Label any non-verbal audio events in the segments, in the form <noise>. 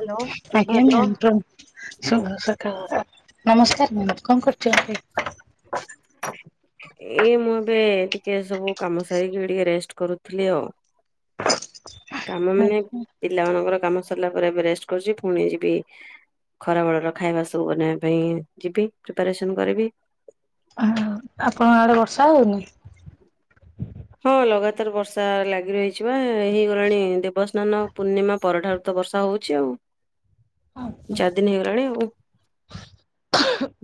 Hello ଆଜ୍ଞା ପ୍ରଭାତ ma'am ପ୍ରଣାମ ଶୁଭ ସକାଳ ର। ନମସ୍କାର ମ୍ୟାମ କଣ କରୁଚନ୍ତି? <unintelligible> ଏଇ ମୁଁ ଏବେ ଟିକେ ସବୁ କାମ ସାରିକି ଟିକେ ରେଷ୍ଟ କରୁଥିଲି ଆଉ। କାମ ମାନେ ଆଜ୍ଞା ପିଲା ମାନଙ୍କର କାମ। ସାରିଲା ପରେ ଏବେ ରେଷ୍ଟ କରୁଚି ପୁଣି ଯିବି। ଖରାବେଳର ଖାଇବା ସବୁ ବନେଇବା ପାଇଁ ଯିବି ପ୍ରିପାରେସନ କରିବି। ହଁ, ଆପଣଙ୍କ ଆଡେ ବର୍ଷା ହଉନି? ହଁ, ଲଗାତାର ବର୍ଷା ଲାଗି ରହିଚି ବା ହେଇଗଲାଣି ଦେବସ୍ନାନ ପୂର୍ଣ୍ଣିମା ପରଠାରୁ। ତ ବର୍ଷା ହଉଚି ଆଉ। ଚରି ଦିନି ହୋଇଗଲାଣି ଆଉ,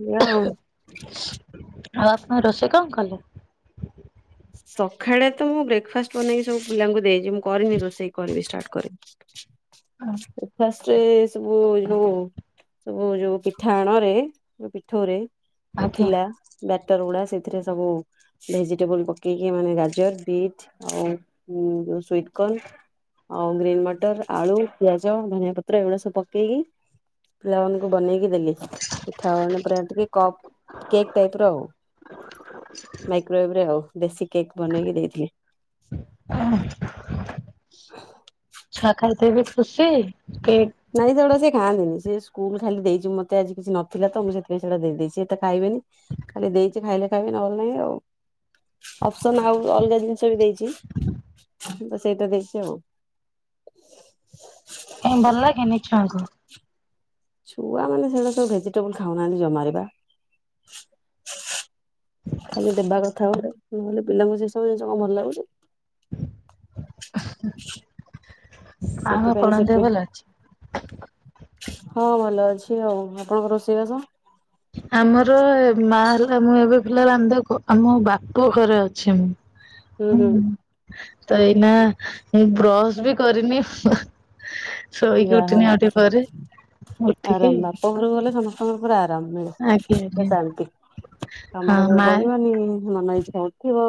ଏଇଆ ଆଉ। ଆଉ ଆପଣ ରୋଷେଇ କଣ କଲେ? ସଖାଳେ ତ ମୁଁ ବ୍ରେକକ୍ଫାଷ୍ଟ ବନେଇକି ସବୁ ପିଲାଙ୍କୁ ଦେଇଚି, ମୁଁ କରିନି ରୋଷେଇ କରିବି ଷ୍ଟାର୍ଟ କରିବି। <unintelligible> ସେ ସବୁ ଯୋଉ ସବୁ ଯୋଉ ପିଠା ଆଣରେ ପିଠୋଉରେ। ଆଜ୍ଞା ଥିଲା ବ୍ୟାଟର ଗୁଡ଼ା, ସେଇଥିରେ ସବୁ ଭେଜିଟେବୁଲ ପ। ପକେଇକି ମାନେ ଗାଜର, ବିଟ୍ ଆଉ ଯୋଉ ସ୍ବିଟକର୍ନ। ଆଉ ଗ୍ରୀନ୍ ମଟର, ଆଳୁ, ପିଆଜ, ଧନିଆ ପତ୍ର ଏଇଗୁଡା ସବୁ ପକେଇକି। ପିଲାମାନଙ୍କୁ ବନେଇକି ଦେଲି। ପିଠା ମାନେ ପୁରା ଟିକେ କପ୍ କେକ୍ ଟାଇପର ଆଉ ମାଇକ୍ରୋୱେଭରେ ଆଉ। ଦେଶୀ କେକ୍ ବନେଇକି ଦେଇଥିଲି। ଛୁଆ ଖାଇକି ବି ଖୁସି। କେକ୍ ନାଇଁ ସେଗୁଡା ସେ ଖାଆନ୍ତିନି, ସେ ସ୍କୁଲ ଖାଲି ଦେଇଛି ମତେ ଆଜି କିଛି ନଥିଲା ତ ମୁଁ ସେଥିପାଇଁ ସେଇଟା ଦେଇ ଦେଇଛି ସେ ତ ଖାଇବେନି। ଖାଲି ଦେଇଛି ଖାଇଲେ ଖାଇବେ ନହେଲେ ନାହିଁ ଆଉ। ଅପ୍ସନ୍ ଆଉ ଅଲଗା ଜିନିଷ ବି ଦେଇଛି ମୁଁ ତ ସେଇଟା ଦେଇଛି ଆଉ। କାଇଁ ଭଲ ଲାଗେନି ଛୁଆଙ୍କୁ? ଛୁଆମାନେ ସେଗୁରା ସବୁ ଭେଜିଟେବୁଲ ଖାଉନାହାନ୍ତି ଜମାରୁ ପା। ଖାଲି ଦେବା କଥା ଗୋଟେ ମୁଁ କହିଲି ପିଲାଙ୍କୁ ସେଇ ସବୁ ଜିନିଷ କଣ ଭଲ ଲାଗୁଛି। ଆଉ ସେଥିପାଇଁ <unintelligible> ଦେହ ସେଠି ଭଲ ଅଛି? ହଁ ଭଲ ଅଛି ଆଉ ଆପଣଙ୍କ ରୋଷେଇବାସ? ଆମର ଏ ମାଆ ହେରିକା ମୁଁ ଏବେ ପିଲା ରାନ୍ଧେ କୁ ଆମ ବାପ ଘରେ ଅଛି ମୁଁ। ହୁଁ ହୁଁ। ତ ଏଇନା ମୁଁ ବ୍ରଶ ବି କରିନି ହୁଁ ହୁଁ ଶୋଇକି ଯାହା ହଉ ଉଠିନି ଆଉ ଟିକେ ପରେ, ଉଠିକି ଆରାମ ବାପ ଘରକୁ ଗଲେ ସମ ତମର ପୁରା ଆରାମ ମିଳେ, ଆଜ୍ଞା ପୁରା ଆଜ୍ଞା ଶାନ୍ତି କାମ ହଁ କରିବାକୁ ମା ପଡିବନି ମନ ଇଛା କୁହ।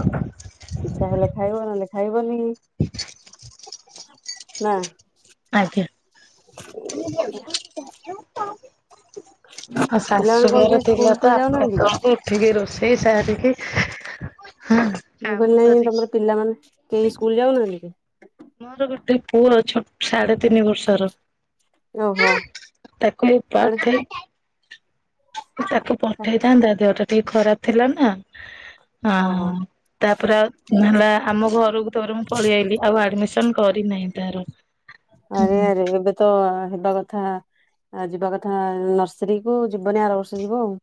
ହ ଇଛା ହେଲେ ଖାଇବ ନହେଲେ ଖାଇବନି। ନା? ଆଜ୍ଞା। ବଢିଆ। ଆଉ ପିଲାମାନେ ଶାଶୁ କଣ ଘରେ କେହି ସ୍କୁଲ ଥିଲେ ଫୁଲ ତ ଆପଣ ଯାଉନାହାନ୍ତି କି କହନ୍ତି ଟିକିଏ ରୋଷେଇ ସାରିକି ହୁଁ। ମୁଁ କହିଲି ତମର ପିଲାମାନେ କେହି ସ୍କୁଲ ଯାଉନାହାନ୍ତି କି? ମୋର ଗୋଟେ ପୁଅ ଛୋ ସାଢେ ତିନି ବର୍ଷର। ଓହୋ ତାକୁ ଏଇ ସାଢେ ପାଠେ ତାକୁ ପଠେଇଥାନ୍ତା ତା ଦେହଟା ଟିକେ ଖରାପ ଥିଲା ନା। ଆଁ- ଆଁ ହଁ ହଁ। -ଆଁ ତାପରେ ଆଉ ହେଲା ଆମ ଘରକୁ <unintelligible> ପଳେଇ ଆଇଲି ଆଉ ଆଡମିସନ କରିନାହିଁ ତାର। ହୁଁ ଆରେ ଆରେ ଏବେ ତ ହେବା କଥା ଯିବା କଥା ନର୍ସରୀକୁ, ଯିବନି ଆର ବର୍ଷ ଯିବ ଆଉ।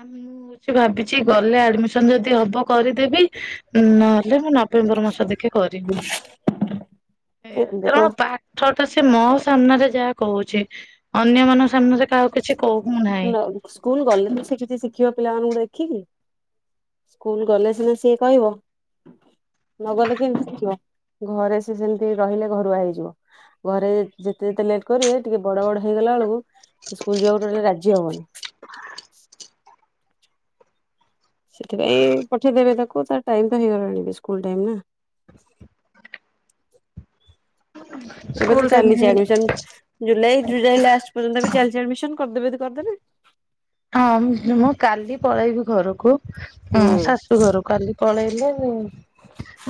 ଆମ୍ ମୁଁ କିଛି ଭାବିଛି ଗଲେ ଆଡମିସନ ଯଦି ହବ କରିଦେବି। ନହେଲେ ମୁଁ ନଭେମ୍ବର ମାସ ଦେଖି କରିବି ଏଇଆ ଏବେ କଣ ତାଙ୍କ ପାଠ୍ ଠଟା ସେ ମୋ ସାମ୍ନାରେ ଯାହା କହୁଛି ଅନ୍ୟ ମାନ ସାମ୍ନାରେ କାହା କିଛି କହୁ ନାହିଁ। ସ୍କୁଲ ଗଲେ ହିଁ ସେ କିଛି ଶିଖିବ ପିଲାମାନଙ୍କୁ ଦେଖିକି। ସ୍କୁଲ ଗଲେ ସିନା ସିଏ କହିବ। ନ ଗଲେ କେମିତି ଶିଖିବ, ଘରେ ସେ ସେମିତି ରହିଲେ ଘରୁଆ ହେଇଯିବ। ଘରେ ଯେତେ-ଯେତେ ଲେଟ୍ କରିବେ ଟିକେ ବଡ-ବଡ ହେଇଗଲା ବେଳକୁ ସେ ସ୍କୁଲ ଯିବାକୁ ଟୋଟାଲି ରାଜି ହବନି। ସେଥିପାଇଁ-ଇ ପଠେଇଦେବେ ତାକୁ ତା ଟାଇମ ତ ହେଇଗଲାଣି ସ୍କୁଲ ଟାଇମ ନା। ହୁ ଏବେ ତ ଚାଲିଛି ଆଡମିସନ, ଜୁଲାଇ ଜୁଲାଇ ଲାଷ୍ଟ ପର୍ଯ୍ୟନ୍ତ ବି ଚାଲିଛି ଆଡମିସନ କରିଦେବେ ଯଦି କରିଦେବେ। ହଁ, ମୁଁ କାଲି ପଳାଇବି ହଁ ଘରକୁ ହୁଁ ଶାଶୁ ଘରକୁ <unintelligible> କାଲି ପଳେଇଲେ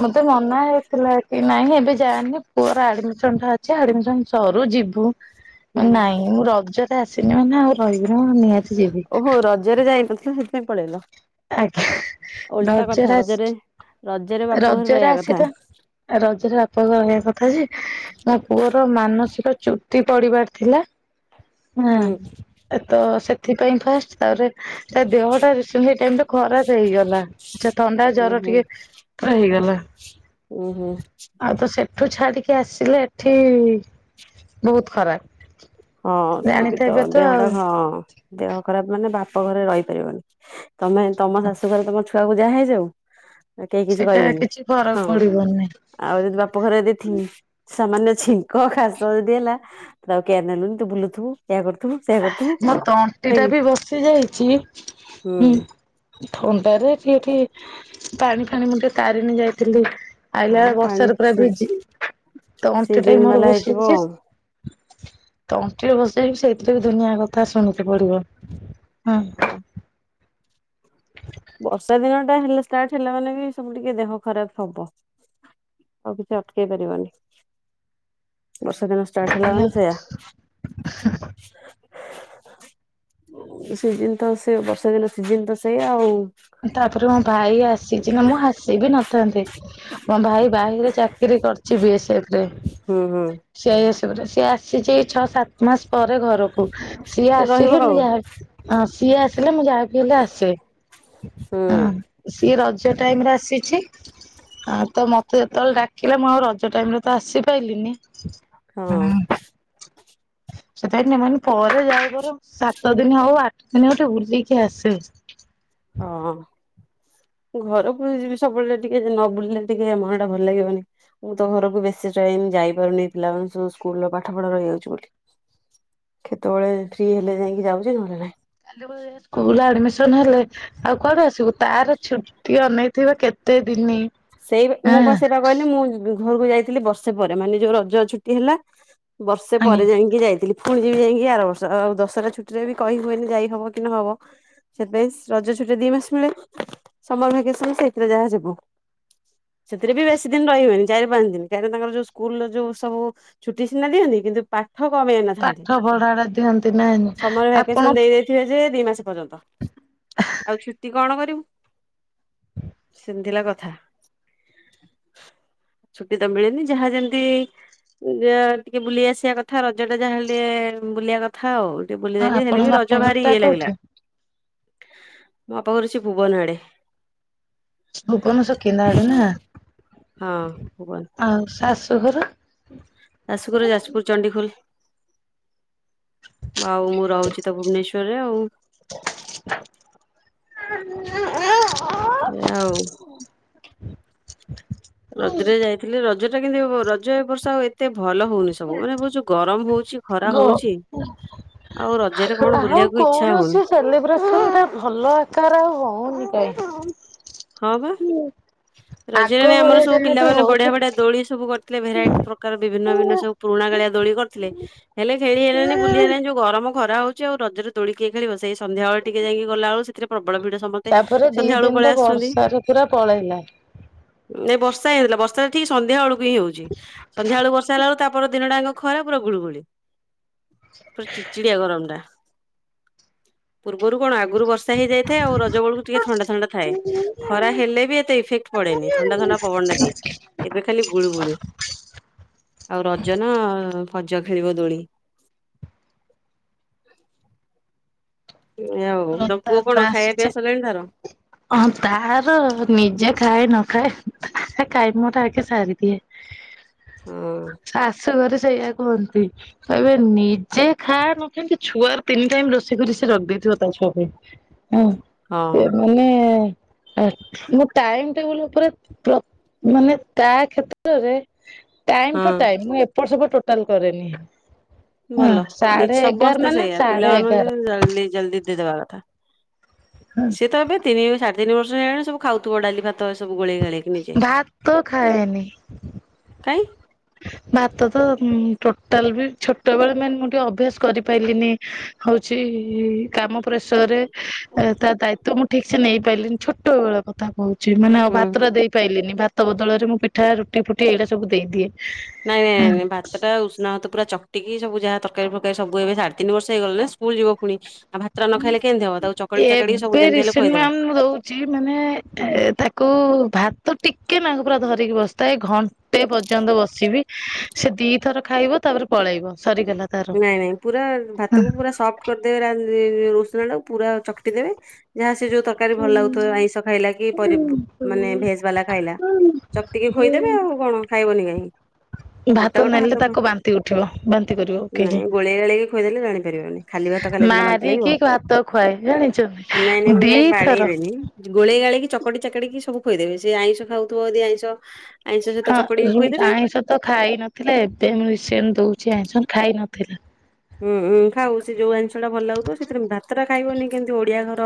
ମତେ ମନା ହେଇଥିଲା କି ନାଇଁ ଏବେ ଯାଆନି ପୁଅର ଆଡମିସ ଅଛି ଆଡ଼ମିସନ ସରୁ ଯିବୁ ନା ହୁଁ। ନାଇଁ ମୁଁ ରଜଠି <unintelligible> ସେ ଆସିନି ମାନେ ଆଉ ରହିବି କଣ ଓହୋ ରଜରେ ଯାଇନଥିଲ ସେଥିପାଇଁ ପଳେଇଲ। ଆଜ୍ଞା ଓଲଟା କଥା ରଜରେ ରଜରେ ଆସିକି ବାପ ଘରେ ରଜରେ ରହିବା ଆସି କଥା ତ ରଜରେ ବାପ ଘରେ ରହିବା କଥା ଯେ ମୋ ପୁଅର ମାନସିକ ଚୁଟି ପଡିବାର ଥିଲା <inaudible> ନା ତ ସେଥିପାଇଁ ଫାଷ୍ଟ ତାପରେ ତା ଦେହଟା ରିସେଣ୍ଟଲି କେମତି ଖରାପ୍ ହେଇଗଲା ଆଛା ଥଣ୍ଡା ଉୁଁ ଜର ଟିକେ ତାର ହେଇଗଲା ଉଁ ହୁଁ। ଆଉ ତ ସେଠୁ ଛାଡିକି ଆସିଲେ ଏଠି ବହୁତ୍ ଖରାପ୍। ହଁ, ସେ ବି ତ ଦେହଟା ହଁ ଦେହ ଖରାପ ମାନେ ବାପ ଘରେ ରହିପାରିବନି। ତମେ ତମ ଶାଶୁଘରେ ତମ ଛୁଆକୁ ଯାହା ହେଇଯାଉ କେହି କିଛି ସେଇଟା କହିବେନି, କିଛି ଫରକ ହଁ। ପଡିବନି ଆଉ ଯଦି ବାପ ଘରେ ଏଦି ଛିଙ୍କ ସାମାନ୍ୟ ଛିଙ୍କ କାଶ ଯଦି ହେଲା ତାକୁ କେୟାର୍ ନେଲୁନି। ତୁ ବୁଲୁଥୁବୁ ଏୟା କରୁଥିବୁ ସେ ମୋ ତଣ୍ଟି ଟା ବି ବସି ଯାଇଛି, ହୁଁ। ଥଣ୍ଡାରେ ପିଇକି ପାଣି ଫାଣି ମୁନ୍ଦେ ତାରିଣୀ ଯାଇଥିଲି। ହଁ ଆଇଲାବେଳେ ପାଣି ବର୍ଷାରେ ପୁରା ସି ଭିଜି ତଣ୍ଟି ଟିକେ ସିଜିନ ମୋର ବାଲା ବସି ହେଇଥିବ ଯାଇଛି। ଆଉ ତଣ୍ଟିରେ ବଦିଆଯାଇଛି ସେଇଥିରେ ବି ଦୁନିଆ କଥା ଶୁଣିବାକୁ ପଡିବ, ହୁଁ। ବର୍ଷା ଦିନ ଟା ହେଲେ ଷ୍ଟାର୍ଟ ହେଲା ମାନେ ବି ସବୁ ଟିକେ ଦେହ ଖରାପ ହବ। ତାକୁ କିଏ ଅଟକେଇ ପାରିବନି। ବର୍ଷା ଦିନ ଷ୍ଟାର୍ଟ ହେଲା ଏଇଆ ମାନେ ସେୟା। <inaudible> ଏ ସିଜିିନ୍ ତ ସେ ବର୍ଷା ଦିନ ସିଜିିନ୍ ତ ସେୟା ଆଉ। ତାପରେ ମୋ ଭାଇ ଆସିଛି ନା ମୁଁ ଆସି ବିି ନଥାନ୍ତି। ମୋ ଭାଇ ବାହିରେ ଚାକିରୀ କରିଛି ବିଏସ୍ଏଫ ରେ। ହୁଁ, ହୁଁ। ସିଆଇଏସଏଫରେ ସିଏ ଆସିଛି ଏଇ ଛଅ ସାତ ମାସ ପରେ ଘରକୁ। ହୁଁ। ସିଏ ଟିକେ ରହିବ ଆସିଲେ ମୁଁ ଆଉ। ଯାହା ବି ହଁ ସିଏ ଆସିଲେ ମୁଁ ଯାହାବି ହେଲେ ଆସେ। ହୁଁ ହଁ। ସିଏ ରଜ ଟାଇମ୍ ରେ ଆସିଛି। ହଁ, ତ ମତେ ଯେତେବେଳେ ଡାକିଲା ମୁଁ ଆଉ ରଜ ଟାଇମ୍ ରେ ତ ଆସିପାଇଲିନି ହଁ ହୁଁ। <inaudible> ସେଥିପାଇଁ ନ ପରେ ଯାଇପାର ସାତ ଦିନ ହଉ ଆଠ ଦିନ ହଉ ଟିକେ ବୁଲିକି ଆସେ। ଅ। ଘରେ ବହୁଦିନ ସବୁବେଳେ ଟିକେ ନ ବୁଲିଲେ ଟିକେ ମନ ଟା ଭଲ ଲାଗିବନି। ମୁଁ ତ ଘରକୁ ବେଶୀ ଟାଇମମ୍ ଯାଇପାରୁନି ପିଲାମାନେ ସବୁ ସ୍କୁଲ ର ପାଠ ପଢା ରହିଯାଉଛି ବୋଲି। କେତେବେଳେ ଫ୍ରି ହେଲେ ଯାଇଁକି ଯାଉଚି ନହଲେ ନାଇଁ। ଆଉ ତା ପରେ ସ୍କୁଲରେ ଆଡ୍ ମିସନ୍ ହେଲେ ଆଉ କୁଆଡୁ ଆସିବୁ? ତାର ଛୁଟି ଅନେଇଥିବେ କେତେ ଦିନି ସେଇବା ମୁଁ ବା ହଁ ସେଇଟା କହିଲି ମୁଁ ଘରକୁ ଯାଇଥିଲି ବର୍ଷେ ପରେ ମାନେ ଯୋଉ ରଜ ଛୁଟି ହେଲା ବର୍ଷେ ଆଜ୍ଞା ପରେ ଯାଇଁକି ଯାଇଥିଲି। ପୁଣି ଯିବି ଯାଇଁକି ଆରବର୍ଷ। ଆଉ ଦଶହରା ଛୁଟିରେ ବି କହି ହୁଏନି ଯାଇ ହବ କି ନହବ। ସେଥିପାଇଁ ସ ରଜ ଛୋଟ ଦି ମାସ ମିଳେ। ସମର ଭ୍ୟାକେସନ ସେଇଥିରେ ଯାହା ଯିବୁ। ସେଥିରେ ବି ବେଶୀ ଦିନ ରହିହୁଏନି ଚାରି ପାଞ୍ଚ ଦିନ। କାହିଁକିନା ତାଙ୍କର ଯୋଉ ସ୍କୁଲ ର ଯୋଉ ସବୁ ଛୁଟି ସିନା ଦିଅନ୍ତି କିନ୍ତୁ ପାଠ କମେଇ ନଥାନ୍ତି ପାଠ ପଢାଟା ଦିଅନ୍ତି ନା ସମର ଆପଣ ଭ୍ୟାକେସନ ଦେଇଦେଇ ଯେ ଯେ ଦି ମାସ ପର୍ଯ୍ୟନ୍ତ ଆଉ ଛୁଟି କଣ କରିବୁ? ସେଥିଲା କଥା। ଛୁଟି ତ ମିଳେନି ଯାହା ଯେମିତି ଯା ଟିକେ ବୁଲି ଆସିବା କଥା ରଜ ଟା ଯାହାହଲେ ବୁଲିବା କଥା। କଥା ଆଉ ବୁଲିଦେଲି ହେଲେ ଆପଣଙ୍କ ବି ବାପ ରଜ ଘର ଭାରି ଟା ଇଏ କୋଉଠି? ଲାଗିଲା। ମୋ ବାପା ଘର ଅଛି ଭୁବନ ଆଡେ। ଭୁବନ ସେ କେନା ଆଡେ ନାଁ। ହଁ ଭୁବନ। ଆଉ ଶାଶୁଘର? ଶାଶୁ ଘର ଯାଜପୁର। ଚଣ୍ଡିଖୋଲ ଆଉ ମୁଁ ରହୁଛି ତ ଭୁବନେଶ୍ଵରରେ ଆଉ। <unintelligible> ଆଉ। <unintelligible> ରଜରେ ଯାଇଥିଲି ରଜ ଟା କିନ୍ତୁ ଏ ରଜ ଏ ବର୍ଷ ଆଉ ଏତେ ଭଲ ହଉନି। ସମୟରେ ବହୁଛୁ ଗରମ ହଉଛି ଗ ଖରା ହଉଛି। ଆଉ ରଜରେ କଣ ବୁଲିବାକୁ ଇଚ୍ଛା ହଉନି। ସେଲିବ୍ରେସନଟା ଭଲ ଆକାରରେ ଆଉ ହଉନି କାଁଈ। ହଁ ବା। ଆଗ ରଜରେ ଆମର ଭଳିଆ ସବୁ ପିଲା ଯେମିତି ମାନେ ବଢିଆ ହଉଥିଲା ବଢିଆ ଦୋଳି ସବୁ କରିଥିଲେ ଭେରାଇଟି ପ୍ରକାର ବିଭିନ୍ନ ବିଭିନ୍ନ ସବୁ। ପୁରୁଣା କାଳିଆ ଦୋଳି କରିଥିଲେ ହେଲେ ଖେଳି ହେଲେଣିି ବୁଲି ହେଲାନି ଯଉ। ଗରମ ଖରା ହଉଛି ଆଉ ରଜରେଦୋଳି କିଏ ଖେଳିବ ସେଇ ସନ୍ଧ୍ୟା ବେଳେ ଟିକେ ଯାଇକି ଗଲା ବେଳ ସେଥିରେ ପ୍ରବଳ ଭିଡ। ସମସ୍ତେ ସନ୍ଧ୍ୟାବେଳକୁ ପଳେଇ ଆସୁ। ସାସ ଶଶୁର ପଳେଇଲେ। ଏ ବର୍ଷା ହେଇଥିଲା ବର୍ଷା ଟା ଠିକ୍ ସନ୍ଧ୍ୟା ବେଳକୁ ହିଁ ହଉଛି। ସନ୍ଧ୍ୟା ବେଳୁ ବର୍ଷା ହେଲା ବେଳୁ ତାପରେ ଦିନଟା ଯାକ ଖରା ପୁରା ଗୁଳୁଗୁଳି ପ୍ରଚି। ଚିଡିଆ ଗରମ ଟା ପୂର୍ବରୁ କଣ ଆଗରୁ ବର୍ଷା ସେ ହେଇଯାଇଥାଏ ଆଉ ରଜ ବେଳକୁ ଟିକେ ଥଣ୍ଡା ଥଣ୍ଡ ଥାଏ। ଖରା ହେଲେ ବି ଏତେ ଇଫେକ୍ଟ ପଡେନି ଥଣ୍ଡା ଥଣ୍ଡା ପବନଟା ଦିଏ ଏବେ ଖାଲି ଗୁଳୁ ଗୁଳି ଆଉ ରଜ ନାଁ ଫଜ ଖେଳିବ ଦୋଳି। ଆଉ ତମ ପୁଅ ରଥଯାତ୍ରା କଣ ଖାଇବା ଆସୁଛି। ପିଇବା ସରିଲାଣି ତାର? ହଁ ତାର ନିଜେ ଖାଏ ନ ଖାଏ ତା କାମ ଟା ଆଗେ ସାରିଦିଏ। ହଁ ଶାଶୁଘରେ ସେଇଆା କୁହନ୍ତି। କହିବ ନିଜେ ଖାଆ ନଥାନ୍ତି ଛୁଆର ତିନି ଟାଇମ୍ ରୋଷେଇ କରି ସେ ରଖିଦେଇଥିବ ତା ଛୁଆ ପାଇଁ ହଁ ହଁ ଏମାନେ। ଆଚ୍ଚୋ ମୁଁ ଟାଇମ ଟେବୁଲ ଉପରେ ପ୍ରୋ ମାନେ ତା କ୍ଷେତ୍ରରେ ତା ହଁ। ଟୋଟାଏ ମୁଁ ଏପଟ ସବୁ ଟୋଟାଲ କରେନି। ହଁ ଭଲ ସାଢେ ଏଗାର ସମସ୍ତେ ମାନେ ସେଇଆ ସାଢେ ଏଗାର ପିଲାମାନଙ୍କୁ ଯୋଳଦି। ଜଲଦି ଦେଇ ଦେଇଦବା କଥା ସିଏତ ଏବେ ତିନି ରୁ ସାଢେ ତିନିବର୍ଷ ହେଲାଣି ସବୁ ଖାଉ ଥିବ ଡାଲି ଭାତ ଏସବୁ ଗୋଳେଇ ଗାଳେଇ। ଭାତ ଖାଏନି। କାଇଁ? ଭାତ ତ ଟୋଟାଲ ବି ଛୋଟ ବେଳେ ମାନେ ମୁଁ ଟିକେ ଅଭ୍ୟାସ କରିପାରିଲିନି। ହଉଚି କାମ ପ୍ରେସରରେ ତା ଦାୟିତ୍ବ ମୁଁ ଠିକି ସେ ନେଇ ପାରିଲିନି ଛୋଟ ବେଳ କଥା କହୁ ଚି ମାନେ ଆଉ ହୁଁ ଭାତ ହୁଁ। ଟା ଦେଇ ପାଇଲିନି ଭାତ ବଦଳରେ ମୁଁ ପିଠା ରୁଟି ଫୁଟି ଏରା ସବୁ ଦେଇଦିଏ। ନାଇଁ ହଁ ନାଇଁ ଭାତ ଟା ଉଷୁଣା ଭାତ ପୁରା ଚ ଟିକିଏ ସବୁ ଯାହା ତରକାର ଫକାରୀ ସବୁ ଏବେ ସାଢେ ତିନ ବର୍ଷ ହେଇଗଲା ନା ସ୍କୁଲ ଯିବ ଫୁଣି ଆଉ ଭା ତ୍ର ନ ଖାଇଲେ କେମିତି ହବ ତାକୁ ଚକଡି ଚାକଡି ସବୁ ଯେମିତି ହେଲେ ଖୋଇଦବ। ଚି ମାନେ ଏ ତାକୁ ଭାତ ଟିକେ ନାଙ୍କୁ ପୁରା ଧରିକି ବସିଥାଏ ଏ ଘ ଘଣ୍ଟେ ପର୍ଯ୍ୟନ୍ତ ବସିବି ସେ ଦିଥର ଖାଇବ ତାପରେ ପଳେଇବ ସରିଗଲା। ତାର। ନାଇଁ ନାଇଁ ପୁରା ଭାତକୁ ପୁରା ସଫ୍ଟ କରିଦେବେ ରା <unintelligible> ଉଷୁନାଟାକୁ ପୁରା ଚକଟି ଦେବେ ଯାହା ସେ ଯୋଉ ତ ତରକାରୀ ଭଲ ଲାଗୁଥିବ ଆଇଁଷ ଖାଇଲା କି ପରି ମାନେ ଭେଜ ବାଲା ଖାଇଲା ଚକଟିକି ଖୋଇଦେବେ ଆଉ କଣ। ଖାଇବନି କାହିଁ। ଗୋଟା ଭାତ ଗୋଟା ନେଲେ ତାକୁ ବାନ୍ତି ଉଠେଇବ ବା ନାଇଁ ଗୋଳେଇ ଗାଳିକି ଖୋଇଦେଲେ ଜାଣି ପାରିବନି ଖାଲି ଭାତ ଖାଇଲେ ସିନା ବାନ୍ତି ମାରିକି ଲାଗିବ। ଭାତ ଖୁଆଏ ଜାଣିଛନ୍ତି ନାଇଁ ନାଇଁ <unintelligible> ଦିଥର ବାଡେଇବେନି। ଗୋଳେଇ ଗାଳେଇକି ଚକଟି ଚାକେଟିକି ସବୁ ଖୋଇଦେବେ ସେ ଆଇଁଷ ଖାଉଥିବ ଯଦି ଆଇଁଷ ଆଇଁଷ ସହିତ ଚକଟିକି ହଁ ଖୋଇଦେବେ ଆଇଁଷ ତ ଖାଇ ନଥିଲା ଏବେ ମୁଁ ରିସେଣ୍ଟ ଦଉଚି ଆଇଁଷ ଖାଇ ନଥିଲା। ହୁଁଁ ହୁଁ ଖାଉ ସେ ଯୋଉ ଆଇଁସଟା ଭଲ ଲାଗୁଥିବ ସେଥିରେ ଭାତ ଟା ଖାଇବନି କେମିତି ଓଡିଆ ଘର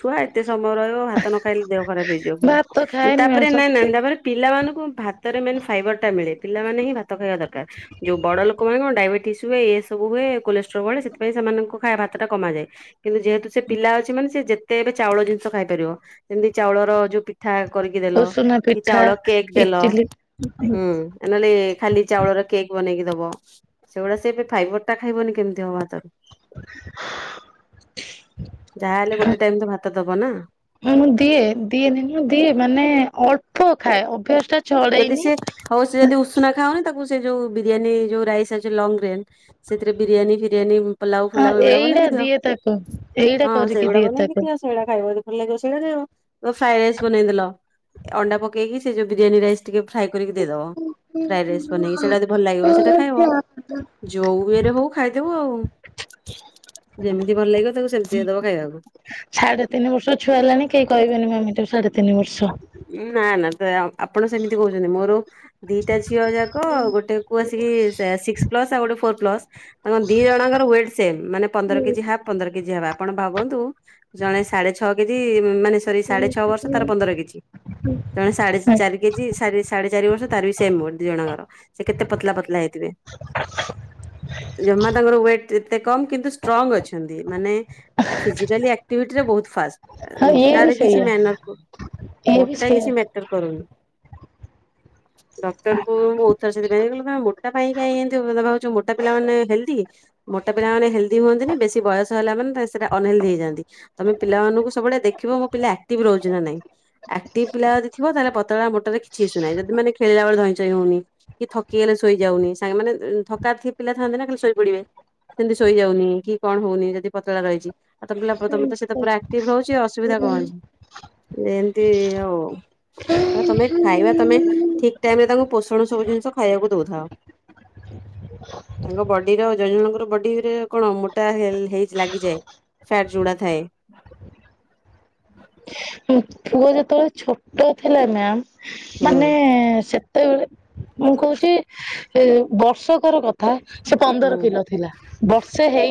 ଛୁଆ ଏତେ ସମୟ ରହିବ ଭାତ ନ ଖାଇଲେ ଦେହ ଖରାପ ହେଇଯିବ ଭାତ ପୁଣି ଖାଏନି ମ୍ୟାମ୍ ତାପରେ ନା ସତେ ନାତାପରେ ପିଲାମାନଙ୍କୁ ଭାତରେ ମେନ୍ ଫାଇବର ଟା ମିଳେ ପିଲାମାନେ ହିଁ ଭାତ ଖାଇବା ଦରକାର। ଯୋଉ ବଡ ଲୋକମାନଙ୍କୁ ଡାଇବେଟିସି ହୁଏ ଏ ସବୁ ହୁଏ କୋଲେଷ୍ଟ୍ରୋଲ ବଢ଼େ ସେଥିପାଇଁ ସେମାନଙ୍କୁ ଖା ଭାତଟା କମାଯାଏ କିନ୍ତୁ ଯେହେତୁ ସେ ପିଲା ଅଛି ମାନେ ସେ ଯେ ସେ ଏବେ ଚାଉଳ ଜିନିଷ ଖାଇପାରିବ ଯେମିତି ଚାଉଳର ଯୋଉ ପି ପିଠା କରିକି ଦେଲ ଉଷୁନା କି ପିଠା ଚାଉଳ କେକ୍ ଦେଲ ଇଟିଲି ହୁଁ। ନହେଲେ ଖାଲି ଚାଉଳର କେକ୍ ବନେଇକି ଦବ ସେଗୁଡା ସେ ଏବେ ଫାଇବର <unintelligible> ଖାଇବନି କେମିତି ହବ ଭାତ? ଯାହା ହେଲେ ଗୋଟେ ଟାଇମ୍ ତ ଭାତ ଦବ ନା? ହଁ ମୁଁ ଦିଏ ଦିଏନିଁ ଦିଏ ମାନେ ଅଳ୍ପ ଖାଏ ଅଭ୍ୟାସ ଟା ଯଦି ଛଡେଇନି ସେ ହଉଚି ଯଦି ଉସ ଉସୁନା ଖାାଉନି ତାକୁ ସେ ଯୋଉ ବିରିୟାନୀ ଯୋଉ ରାଇସି ଅଛି ଲଙ୍ଗ ରେନ୍ ସେଥିରେ ବିରିୟାନୀ ଫିରିୟାନୀ ପଲାଉ ହଁ ଫୁଲାଉ ଏଗୁଡା ଏଇଟା ବନେଇକି ଦିଅ ଦିଏ ତାକୁ ଏଇଟା ହଁ କରିକି ସେଇଗୁଡା ଦିଏ ବନେଇକି ତାକୁ। ଦିଅ। ସେଇଡ଼ା ଖାଇବ ଯଦି ଭଲ ଲାଗିବ ସେଇଡ଼ା ଖାଇବ ଧର ଫ୍ରାଏ ରାଇସ୍ ବନେଇଦେଲ ଅଣ୍ଡା ପକେଇ ସେ ଯୋଉ ବିରିୟାନୀ ରାଇସି ଟିକେ ଫ୍ରାଏ କରିକି ଦେଇଦବ ଫ୍ରାଏ ରାଇସ୍ ବନେଇକି ସେଇଟା ଯଦି ଭଲ ଲାଗିବ ସେଇଟା ଖାଇବ। ଯୋଉ ଇଏରେ ହଉ ଖାଇଦବୁ ଆଉ। ଯେମିତି ଭଲ ଲାଗିବ ତାକୁ ସେମିତିଆ ଦବ ଖାଇବାକୁ। ସାଢେ ତିନି ବର୍ଷର ଛୁଆ ହେଲାଣି କେହି କହିବେନି ମମୀ ଟାକୁ ସାଢେ ତିନି ବର୍ଷ। ନା ନା ତ ଆ ଆପଣ ସେମିତି କହୁଚନ୍ତି ମୋର ଦିଟା ଝିଅ ଯାକ ଆଉ ଗୋଟେ ପୁଅ ଆସିକି ସିକ୍ସ ପ୍ଲସ୍ ଆଉ ଗୋଟେ ଫୋର୍ ପ୍ଲସ୍ ତାଙ୍କ ଦି ଜଣଙ୍କର ୱେଟ୍ ସେମେ ମାନେ ପନ୍ଦର କେଜି ହାପ୍ ପନ୍ଦର କେଜି ହାପ୍। ଆପଣ ଭାବନ୍ତୁ ଜଣେ ସାଢେ ଛଅ କେଜି ମାନେ ସରି ସାଢେ ଛଅ ବର୍ଷ ତାର ପନ୍ଦର କେଜି ଜଣେ ସାଢେ ଚାରି କେଜି ସାରି ସାଢେ ଚାରି ବର୍ଷ ତାର ବି ସେମ ୱେଟ ଦି ଜଣଙ୍କର। ସେ କେତେ ପତ୍ଲା ପତ୍ଲା ହେଇଥିବେ। ଜମା ତାଙ୍କର ୱେଟ୍ ଯେତେ କମ କିନ୍ତୁ ଷ୍ଟ୍ରଙ୍ଗ ଅଛନ୍ତି ମାନେ ଆ ଫିଜିକାଲି ଆକ୍ଟିଭିଟିରେ ବୋହୁତ ଫାଷ୍ଟ ହଁ ଆ ଇଏ ବି ମୋଟାରେ କିଛି ସେଇଆ ମ୍ୟାନର କ ଇଏ ବି ମୋଟା ସେଇଆ। କିଛି ମ୍ୟାଟର କରୁନି। ଡକ୍ଟରଙ୍କୁ ମୁଁ ଓଉତ ଥର ସେଥିପାଇଁ କଲେ ନାଁ ମୋଟା ପାଇଁ କାଇଁ ଏମତି <unintelligible> ତମେ କଁ ଭାବୁଛ ମୋଟା ପିଲାମାନେ ହେଲ୍ଦି? ମୋଟା ପିଲା ମାନେ ହେଲ୍ଦି ହୁଅନ୍ତିନି ବେଶୀ ବୟସ ହେଲା ମାନେ ତା ସେଟା ଅନହେଲ୍ଦି ହେଇଯାନ୍ତି। ତମେ ପିଲାମାନଙ୍କୁ ସବୁବେଳେ ଦେଖିବ ମୋ ପିଲା ଆକ୍ଟିଭ ରହୁଛି ନା ନାଇଁ। ଆକ୍ଟିଭ୍ ପିଲା ଯଦି ଥିବ ତାହେଲେ ପତଳା ମୋଟାରେ କିଛି ଇସୁ ନାହିଁ ଯଦି ମାନେ ଖେଳିଲା ବେଳେ ଧଇଁସଇଁ ହଉନି। କି ଥକି ଗଲେ ଶୋଇଯାଉନି ସାଙ୍ଗେ ମାନେ ଉଁ ଥକାର୍ଥି ପିଲା ଥାନ୍ତି ନା ଖାଲି ଶୋଇପଡିବେ। ସେମିତି ଶୋଇଯାଉନି କି କଣ ହୋଉନି ଯଦି ପତଳା ରହିଛି ଆଉ ତମ ପିଲା ତମ ପୁଅ ତ ସେତ ପୁରା ଆକ୍ଟିଭ ରହୁଛି ଅସୁବିଧା କଁ ଅଛି ଏମିତି ହଉ ହ ତମେ ଖାଇବା ତମେ ଠିକ ଟାଇମରେ ତାଙ୍କୁ ପୋଷଣ ସବୁ ଜିନିଷ ଖାଇବାକୁ ଦୋଉଥାଅ। ତାଙ୍କ ବଡିର ଜଣ ଜଣଙ୍କର ବଡି ରେ କଣ ମୋଟା ହେଲ୍ ହେଇ ଲାଗିଯାଏ। ଫ୍ୟାଟ ଯୋଉଡ଼ା ଥାଏ। ପୁଅ ଯେତଳେ ଛୋଟ ଥିଲା ନା ହୁଁ ମାନେ-ଏ ସେ ତେବେଳେ ମୁଁ କହୁଛି ଇଁ ବର୍ଷକର କଥା ସେ ପନ୍ଦର ହୁଁ। କିଲ ଥିଲା। ବର୍ଷେ ହେଇ